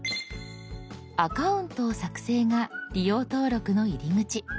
「アカウントを作成」が利用登録の入り口。